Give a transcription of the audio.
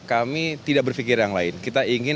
kami tidak berpikir yang lain kita ingin